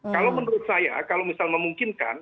kalau menurut saya kalau misal memungkinkan